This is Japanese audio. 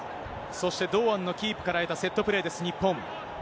そして堂安のキープから得たセットプレーです、日本。